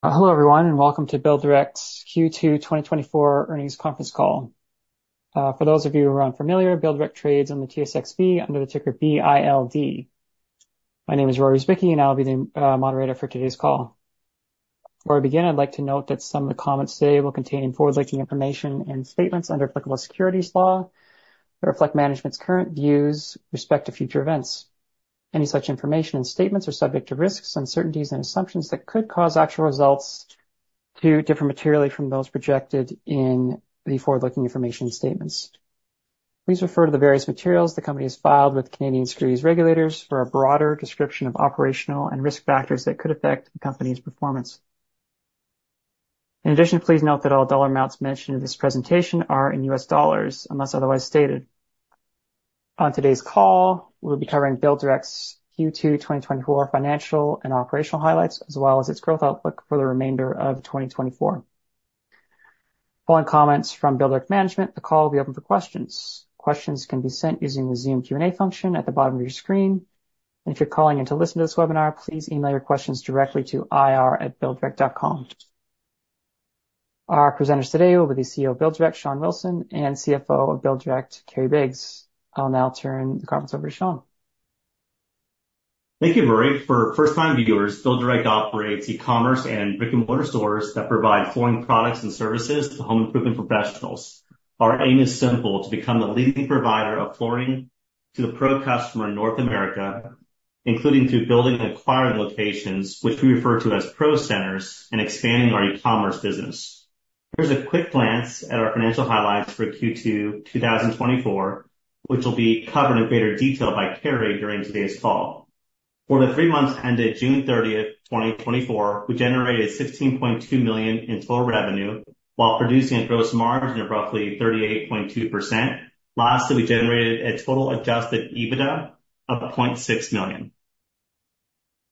Hello, everyone, and welcome to BuildDirect's Q2 2024 Earnings Conference Call. For those of you who are unfamiliar, BuildDirect trades on the TSXV under the ticker BILD. My name is Rory Wizbicki, and I'll be the moderator for today's call. Before I begin, I'd like to note that some of the comments today will contain forward-looking information and statements under applicable securities law that reflect management's current views with respect to future events. Any such information and statements are subject to risks, uncertainties, and assumptions that could cause actual results to differ materially from those projected in the forward-looking information statements. Please refer to the various materials the company has filed with Canadian securities regulators for a broader description of operational and risk factors that could affect the company's performance. In addition, please note that all dollar amounts mentioned in this presentation are in U.S. dollars, unless otherwise stated. On today's call, we'll be covering BuildDirect's Q2 2024 financial and operational highlights, as well as its growth outlook for the remainder of 2024. Following comments from BuildDirect management, the call will be open for questions. Questions can be sent using the Zoom Q&A function at the bottom of your screen, and if you're calling in to listen to this webinar, please email your questions directly to ir@builddirect.com. Our presenters today will be CEO of BuildDirect, Shawn Wilson, and CFO of BuildDirect, Kerry Biggs. I'll now turn the conference over to Shawn. Thank you, Rory. For first-time viewers, BuildDirect operates e-commerce and brick-and-mortar stores that provide flooring products and services to home improvement professionals. Our aim is simple, to become the leading provider of flooring to the pro customer in North America, including through building acquired locations, which we refer to as Pro Centers, and expanding our e-commerce business. Here's a quick glance at our financial highlights for Q2 2024, which will be covered in greater detail by Kerry during today's call. For the three months ended June thirtieth, 2024, we generated $16.2 million in total revenue, while producing a gross margin of roughly 38.2%. Lastly, we generated a total Adjusted EBITDA of $0.6 million.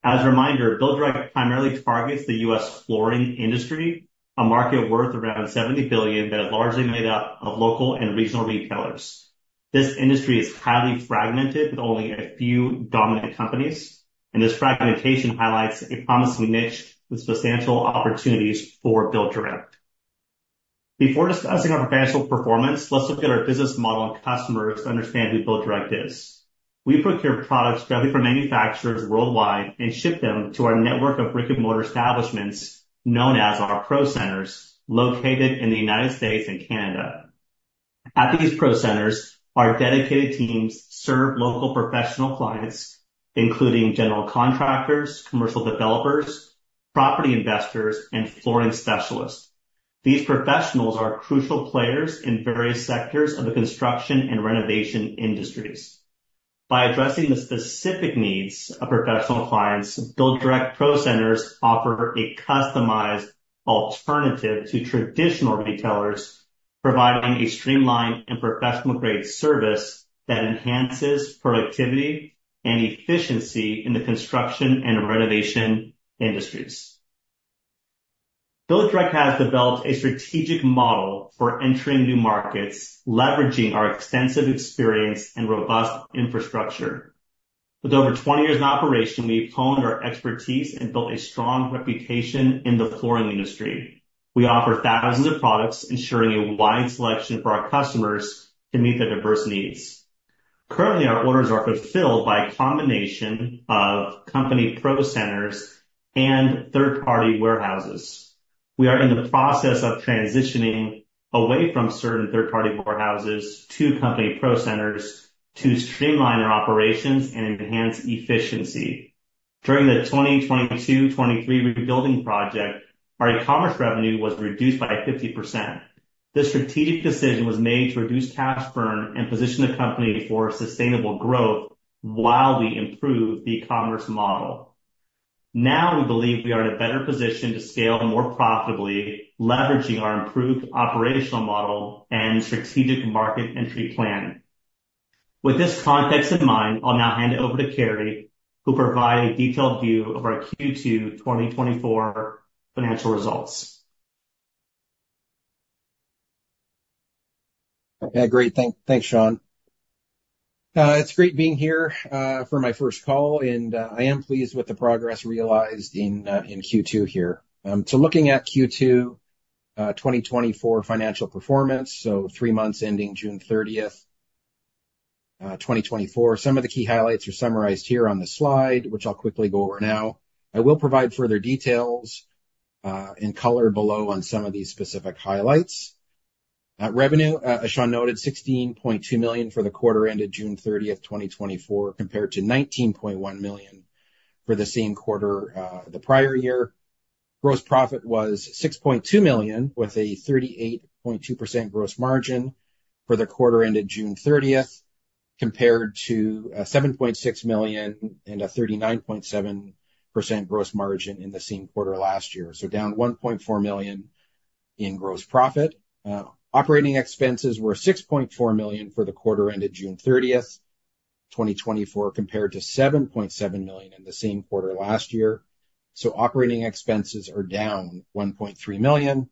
As a reminder, BuildDirect primarily targets the U.S. flooring industry, a market worth around $70 billion that is largely made up of local and regional retailers. This industry is highly fragmented, with only a few dominant companies, and this fragmentation highlights a promising niche with substantial opportunities for BuildDirect. Before discussing our financial performance, let's look at our business model and customers to understand who BuildDirect is. We procure products directly from manufacturers worldwide and ship them to our network of brick-and-mortar establishments, known as our Pro Centers, located in the United States and Canada. At these Pro Centers, our dedicated teams serve local professional clients, including general contractors, commercial developers, property investors, and flooring specialists. These professionals are crucial players in various sectors of the construction and renovation industries. By addressing the specific needs of professional clients, BuildDirect Pro Centers offer a customized alternative to traditional retailers, providing a streamlined and professional-grade service that enhances productivity and efficiency in the construction and renovation industries. BuildDirect has developed a strategic model for entering new markets, leveraging our extensive experience and robust infrastructure. With over twenty years in operation, we've honed our expertise and built a strong reputation in the flooring industry. We offer thousands of products, ensuring a wide selection for our customers to meet their diverse needs. Currently, our orders are fulfilled by a combination of company Pro Centers and third-party warehouses. We are in the process of transitioning away from certain third-party warehouses to company Pro Centers to streamline our operations and enhance efficiency. During the 2022-2023 rebuilding project, our e-commerce revenue was reduced by 50%. This strategic decision was made to reduce cash burn and position the company for sustainable growth while we improved the e-commerce model. Now we believe we are in a better position to scale more profitably, leveraging our improved operational model and strategic market entry plan. With this context in mind, I'll now hand it over to Kerry, who'll provide a detailed view of our Q2 2024 financial results. Okay, great. Thanks, Shawn. It's great being here for my first call, and I am pleased with the progress realized in Q2 here. So looking at Q2 2024 financial performance, so three months ending June 30th, 2024, some of the key highlights are summarized here on the slide, which I'll quickly go over now. I will provide further details in color below on some of these specific highlights. Revenue, as Shawn noted, $16.2 million for the quarter ended June 30th, 2024, compared to $19.1 million for the same quarter, the prior year. Gross profit was $6.2 million, with a 38.2% gross margin for the quarter ended June 30th, compared to $7.6 million and a 39.7% gross margin in the same quarter last year. Down $1.4 million in gross profit. Operating expenses were $6.4 million for the quarter ended June 30th, 2024, compared to $7.7 million in the same quarter last year. Operating expenses are down $1.3 million.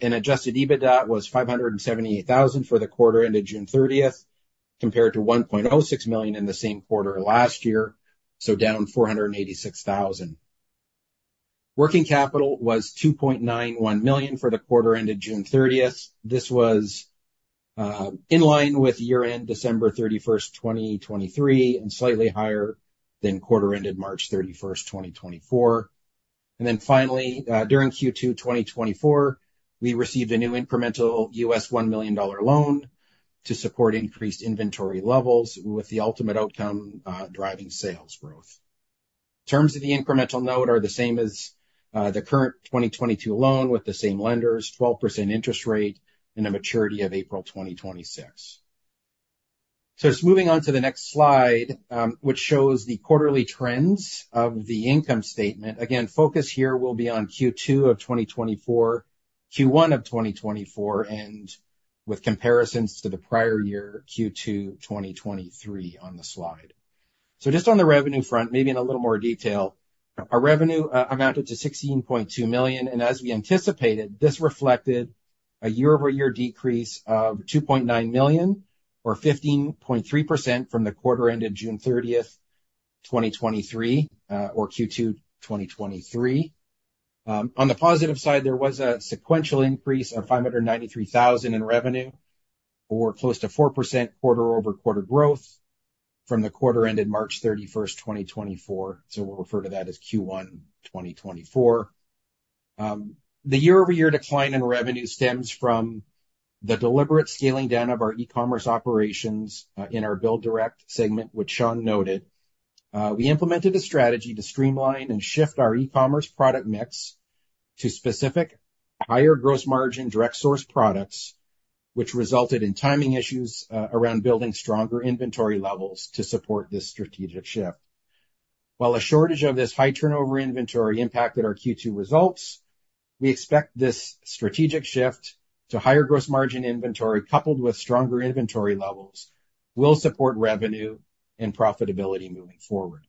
Adjusted EBITDA was $578,000 for the quarter ended June 30th, compared to $1.06 million in the same quarter last year, down $486,000. Working capital was $2.91 million for the quarter ended June 30th. This was in line with year-end December 31st, 2023, and slightly higher than quarter ended March 31st, 2024. Finally, during Q2 2024, we received a new incremental $1 million loan to support increased inventory levels with the ultimate outcome driving sales growth. Terms of the incremental note are the same as the current 2022 loan with the same lenders, 12% interest rate, and a maturity of April 2026. Just moving on to the next slide, which shows the quarterly trends of the income statement. Again, focus here will be on Q2 of 2024, Q1 of 2024, and with comparisons to the prior year, Q2 2023 on the slide. Just on the revenue front, maybe in a little more detail, our revenue amounted to $16.2 million, and as we anticipated, this reflected a year-over-year decrease of $2.9 million or 15.3% from the quarter ended June 30th, 2023, or Q2 2023. On the positive side, there was a sequential increase of $593,000 in revenue or close to 4% quarter-over-quarter growth from the quarter ended March 31st, 2024. We'll refer to that as Q1 2024. The year-over-year decline in revenue stems from the deliberate scaling down of our e-commerce operations in our BuildDirect segment, which Shawn noted. We implemented a strategy to streamline and shift our e-commerce product mix to specific higher gross margin direct source products, which resulted in timing issues around building stronger inventory levels to support this strategic shift. While a shortage of this high turnover inventory impacted our Q2 results, we expect this strategic shift to higher gross margin inventory, coupled with stronger inventory levels, will support revenue and profitability moving forward.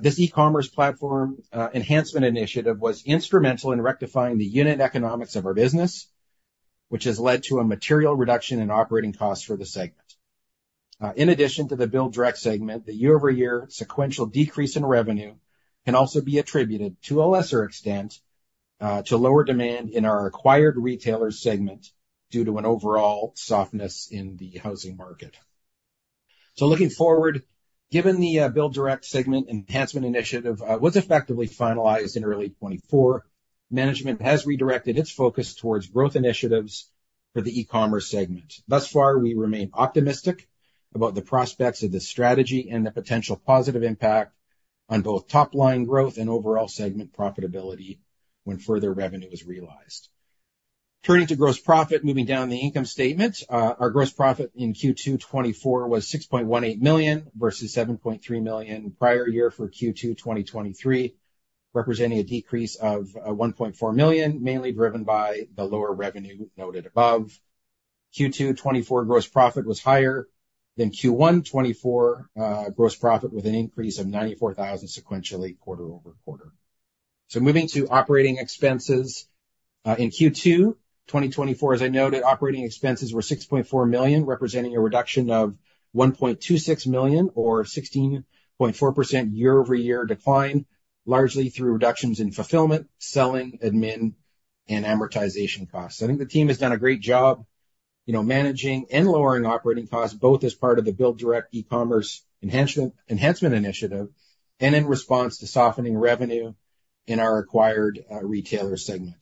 This e-commerce platform enhancement initiative was instrumental in rectifying the unit economics of our business, which has led to a material reduction in operating costs for the segment. In addition to the BuildDirect segment, the year-over-year sequential decrease in revenue can also be attributed to a lesser extent to lower demand in our acquired retailer segment due to an overall softness in the housing market. So looking forward, given the BuildDirect segment enhancement initiative, was effectively finalized in early 2024, management has redirected its focus towards growth initiatives for the e-commerce segment. Thus far, we remain optimistic about the prospects of this strategy and the potential positive impact on both top line growth and overall segment profitability when further revenue is realized. Turning to gross profit, moving down the income statement, our gross profit in Q2 2024 was $6.18 million, versus $7.3 million prior year for Q2 2023, representing a decrease of $1.4 million, mainly driven by the lower revenue noted above. Q2 2024 gross profit was higher than Q1 2024 gross profit with an increase of $94,000 sequentially quarter-over-quarter. Moving to operating expenses, in Q2 2024, as I noted, operating expenses were $6.4 million, representing a reduction of $1.26 million, or 16.4% year-over-year decline, largely through reductions in fulfillment, selling, admin, and amortization costs. I think the team has done a great job, you know, managing and lowering operating costs, both as part of the BuildDirect e-commerce enhancement initiative and in response to softening revenue in our acquired retailer segment.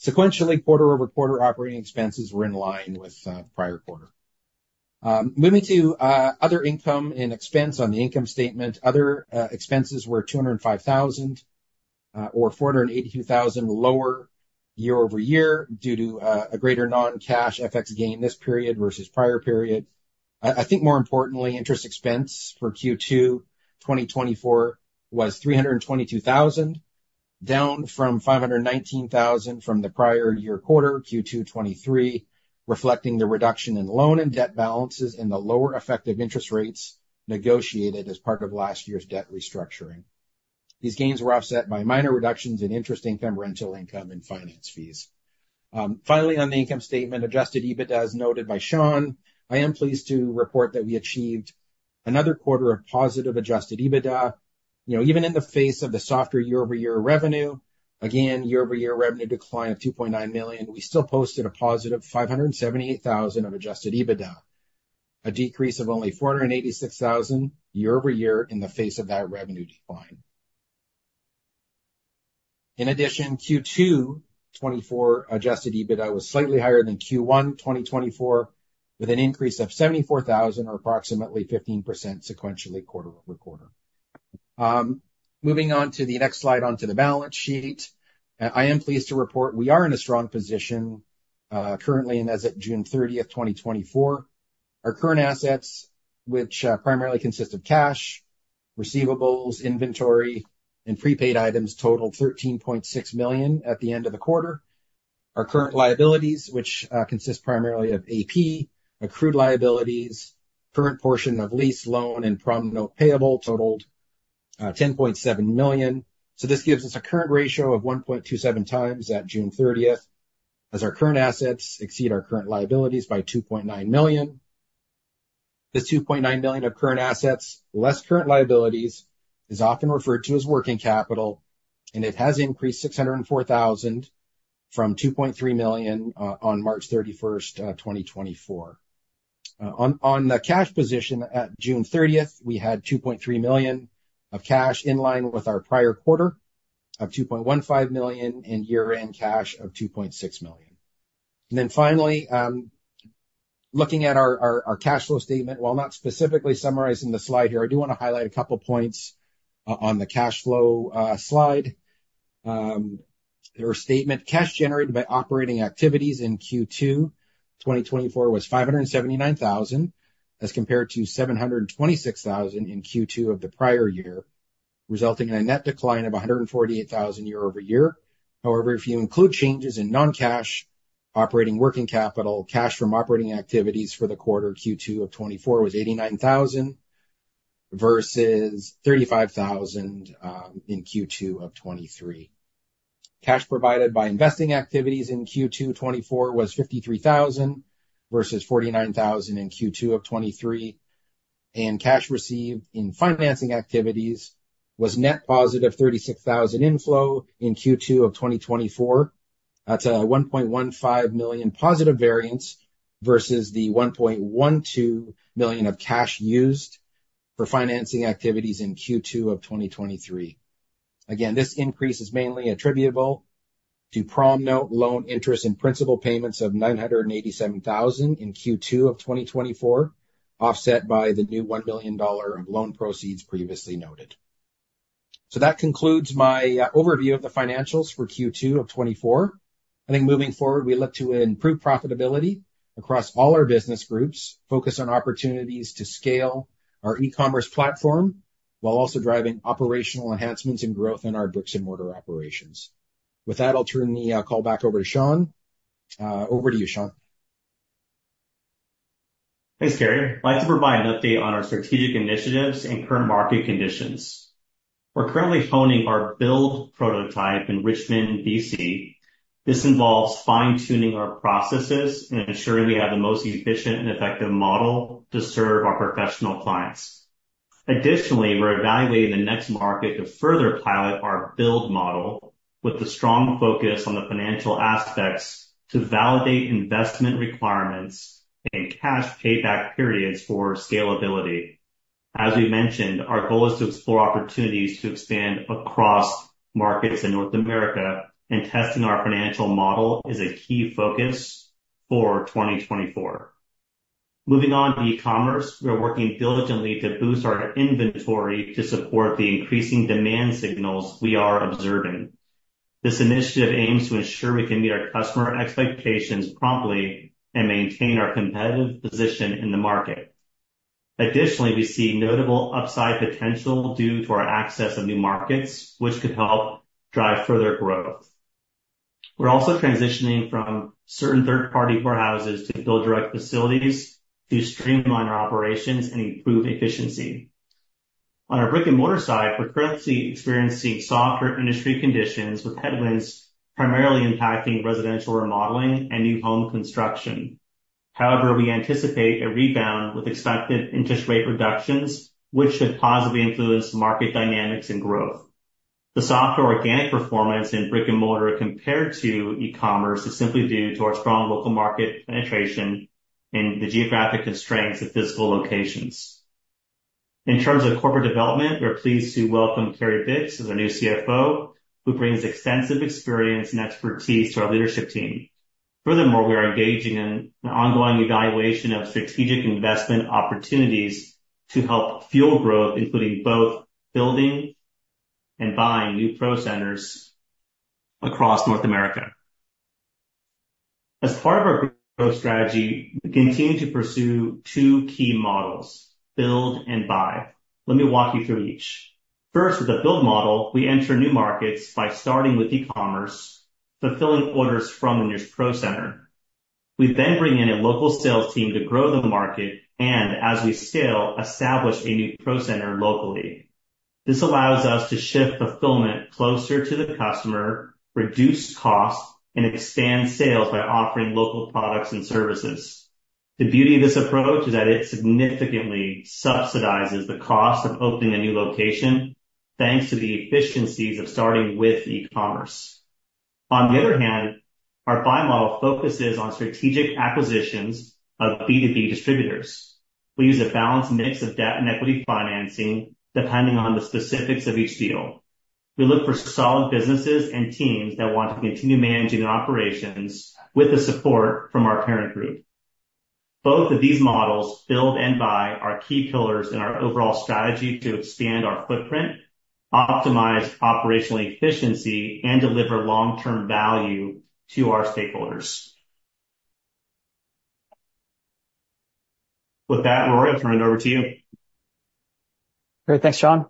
Sequentially, quarter over quarter operating expenses were in line with the prior quarter. Moving to other income and expense on the income statement. Other expenses were $205,000, or $482,000 lower year-over-year, due to a greater non-cash FX gain this period versus prior period. I think more importantly, interest expense for Q2 2024 was $322,000, down from $519,000 from the prior year quarter, Q2 2023, reflecting the reduction in loan and debt balances and the lower effective interest rates negotiated as part of last year's debt restructuring. These gains were offset by minor reductions in interest income, rental income, and finance fees. Finally, on the income statement, Adjusted EBITDA, as noted by Shawn, I am pleased to report that we achieved another quarter of positive Adjusted EBITDA. You know, even in the face of the softer year-over-year revenue, again, year-over-year revenue decline of $2.9 million, we still posted a positive $578,000 of Adjusted EBITDA, a decrease of only $486,000 year-over-year in the face of that revenue decline. In addition, Q2 2024 Adjusted EBITDA was slightly higher than Q1 2024, with an increase of $74,000 or approximately 15% sequentially quarter-over-quarter. Moving on to the next slide, onto the balance sheet. I am pleased to report we are in a strong position, currently, and as at June 30th, 2024. Our current assets, which primarily consist of cash, receivables, inventory, and prepaid items, totaled $13.6 million at the end of the quarter. Our current liabilities, which consist primarily of AP, accrued liabilities, current portion of lease, loan, and promissory payable, totaled $10.7 million. So this gives us a current ratio of 1.27x at June 30th, as our current assets exceed our current liabilities by $2.9 million. This $2.9 million of current assets, less current liabilities, is often referred to as working capital, and it has increased $604,000 from $2.3 million on March 31st, 2024. On the cash position at June 30th, we had $2.3 million of cash in line with our prior quarter of $2.15 million, and year-end cash of $2.6 million. Then finally, looking at our cash flow statement, while not specifically summarizing the slide here, I do want to highlight a couple points on the cash flow slide. Their statement, cash generated by operating activities in Q2 2024 was $579,000, as compared to $726,000 in Q2 of the prior year, resulting in a net decline of $148,000 year-over-year. However, if you include changes in non-cash operating working capital, cash from operating activities for the quarter Q2 of 2024 was $89,000, versus $35,000 in Q2 of 2023. Cash provided by investing activities in Q2 2024 was $53,000 versus $49,000 in Q2 of 2023. Cash received in financing activities was net positive $36,000 inflow in Q2 of 2024. That's a $1.15 million positive variance versus the $1.12 million of cash used for financing activities in Q2 of 2023. Again, this increase is mainly attributable to prom note loan interest and principal payments of $987,000 in Q2 of 2024, offset by the new $1 billion of loan proceeds previously noted. So that concludes my overview of the financials for Q2 of 2024. I think moving forward, we look to improve profitability across all our business groups, focus on opportunities to scale our e-commerce platform, while also driving operational enhancements and growth in our brick-and-mortar operations. With that, I'll turn the call back over to Shawn. Over to you, Shawn. Thanks, Kerry. I'd like to provide an update on our strategic initiatives and current market conditions. We're currently honing our build prototype in Richmond, BC. This involves fine-tuning our processes and ensuring we have the most efficient and effective model to serve our professional clients. Additionally, we're evaluating the next market to further pilot our build model with a strong focus on the financial aspects to validate investment requirements and cash payback periods for scalability. As we mentioned, our goal is to explore opportunities to expand across markets in North America, and testing our financial model is a key focus for 2024. Moving on to e-commerce, we are working diligently to boost our inventory to support the increasing demand signals we are observing. This initiative aims to ensure we can meet our customer expectations promptly and maintain our competitive position in the market. Additionally, we see notable upside potential due to our access of new markets, which could help drive further growth. We're also transitioning from certain third-party warehouses to BuildDirect facilities to streamline our operations and improve efficiency. On our brick-and-mortar side, we're currently experiencing softer industry conditions, with headwinds primarily impacting residential remodeling and new home construction. However, we anticipate a rebound with expected interest rate reductions, which should positively influence market dynamics and growth. The softer organic performance in brick-and-mortar compared to e-commerce is simply due to our strong local market penetration and the geographic constraints of physical locations. In terms of corporate development, we're pleased to welcome Kerry Biggs as our new CFO, who brings extensive experience and expertise to our leadership team. Furthermore, we are engaging in an ongoing evaluation of strategic investment opportunities to help fuel growth, including both building and buying new Pro Centers across North America. As part of our growth strategy, we continue to pursue two key models, build and buy. Let me walk you through each. First, with the build model, we enter new markets by starting with e-commerce, fulfilling orders from the nearest Pro Center. We then bring in a local sales team to grow the market, and as we sell, establish a new Pro Center locally. This allows us to shift fulfillment closer to the customer, reduce costs, and expand sales by offering local products and services. The beauty of this approach is that it significantly subsidizes the cost of opening a new location, thanks to the efficiencies of starting with e-commerce. On the other hand, our buy model focuses on strategic acquisitions of B2B distributors. We use a balanced mix of debt and equity financing, depending on the specifics of each deal. We look for solid businesses and teams that want to continue managing operations with the support from our parent group. Both of these models, build and buy, are key pillars in our overall strategy to expand our footprint, optimize operational efficiency, and deliver long-term value to our stakeholders. With that, Rory, I turn it over to you. Great. Thanks, Shawn.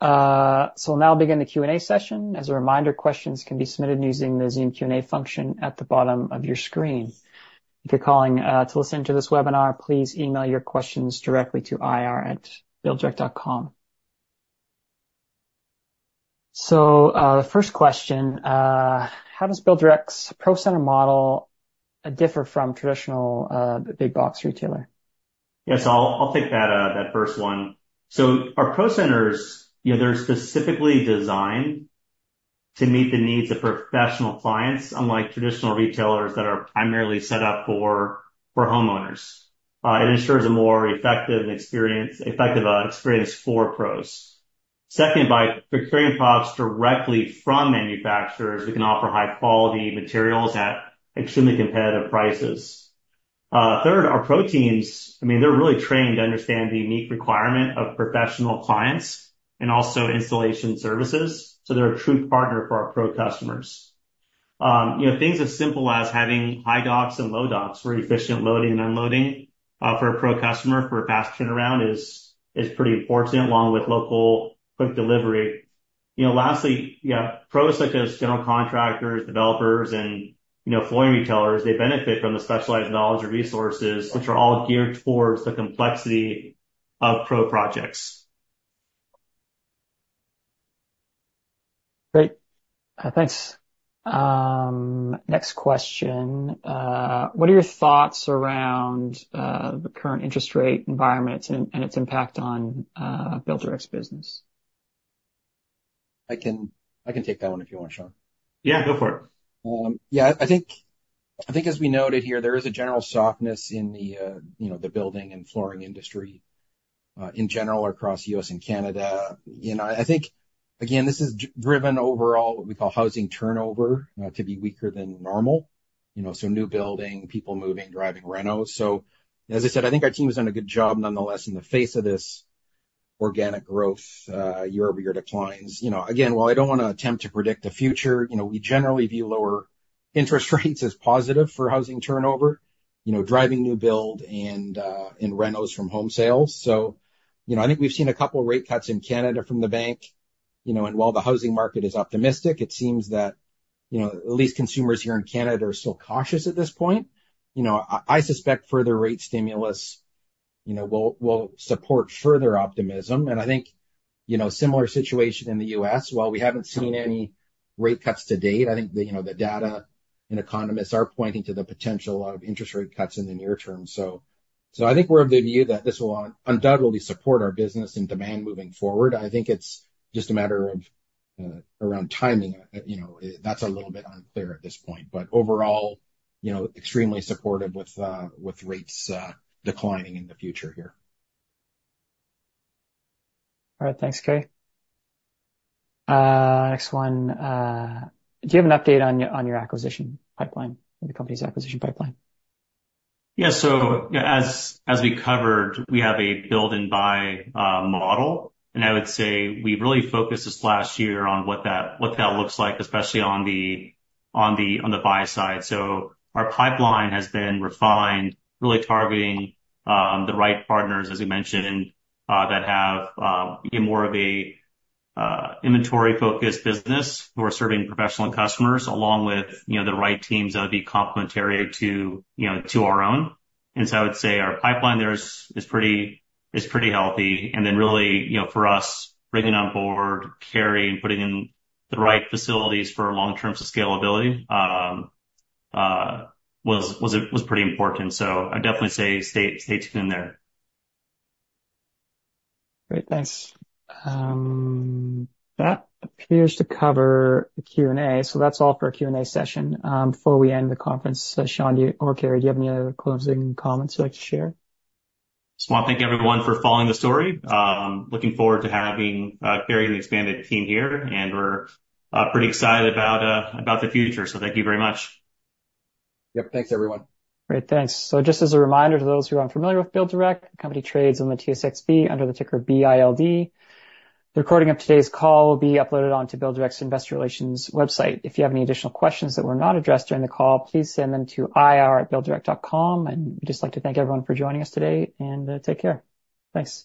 So we'll now begin the Q&A session. As a reminder, questions can be submitted using the Zoom Q&A function at the bottom of your screen. If you're calling to listen to this webinar, please email your questions directly to ir@builddirect.com. ...So, the first question, how does BuildDirect's Pro Center model differ from traditional big box retailer? Yes, I'll take that first one. So our Pro Centers, you know, they're specifically designed to meet the needs of professional clients, unlike traditional retailers that are primarily set up for homeowners. It ensures a more effective experience for pros. Second, by procuring products directly from manufacturers, we can offer high quality materials at extremely competitive prices. Third, our pro teams, I mean, they're really trained to understand the unique requirement of professional clients and also installation services, so they're a true partner for our pro customers. You know, things as simple as having high docks and low docks for efficient loading and unloading for a pro customer for fast turnaround is pretty important, along with local quick delivery. You know, lastly, yeah, pros, such as general contractors, developers, and, you know, flooring retailers, they benefit from the specialized knowledge and resources, which are all geared towards the complexity of pro projects. Great. Thanks. Next question, what are your thoughts around the current interest rate environment and its impact on BuildDirect's business? I can take that one if you want, Shawn. Yeah, go for it. Yeah, I think, I think, as we noted here, there is a general softness in the, you know, the building and flooring industry, in general, across U.S. and Canada. You know, I think, again, this is driven overall, what we call housing turnover, to be weaker than normal. You know, so new building, people moving, driving renos. So as I said, I think our team has done a good job nonetheless in the face of this organic growth, year-over-year declines. You know, again, while I don't wanna attempt to predict the future, you know, we generally view lower interest rates as positive for housing turnover, you know, driving new build and, and renos from home sales. So, you know, I think we've seen a couple rate cuts in Canada from the bank, you know, and while the housing market is optimistic, it seems that, you know, at least consumers here in Canada are still cautious at this point. You know, I suspect further rate stimulus, you know, will support further optimism, and I think, you know, similar situation in the U.S. While we haven't seen any rate cuts to date, I think the, you know, the data and economists are pointing to the potential of interest rate cuts in the near term. So, I think we're of the view that this will undoubtedly support our business and demand moving forward. I think it's just a matter of timing. You know, that's a little bit unclear at this point, but overall, you know, extremely supportive with rates declining in the future here. All right, thanks, Kerry. Next one. Do you have an update on your, on your acquisition pipeline, the company's acquisition pipeline? Yeah. So, yeah, as we covered, we have a build and buy model, and I would say we really focused this last year on what that looks like, especially on the buy side. So our pipeline has been refined, really targeting the right partners, as we mentioned, that have more of a inventory-focused business who are serving professional customers along with, you know, the right teams that would be complementary to, you know, to our own. And so I would say our pipeline there is pretty healthy. And then really, you know, for us, bringing on board Kerry and putting in the right facilities for long-term scalability was pretty important. So I'd definitely say stay tuned there. Great, thanks. That appears to cover the Q&A, so that's all for our Q&A session. Before we end the conference, Shawn, do you... or Kerry, do you have any other closing comments you'd like to share? Just wanna thank everyone for following the story. Looking forward to having Kerry and the expanded team here, and we're pretty excited about the future, so thank you very much. Yep. Thanks, everyone. Great, thanks. So just as a reminder to those who are unfamiliar with BuildDirect, the company trades on the TSXV under the ticker BILD. The recording of today's call will be uploaded onto BuildDirect's Investor Relations website. If you have any additional questions that were not addressed during the call, please send them to ir@builddirect.com. And we'd just like to thank everyone for joining us today and take care. Thanks.